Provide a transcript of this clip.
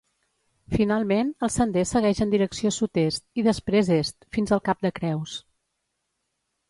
Finalment, el sender segueix en direcció sud-est, i després est, fins al Cap de Creus.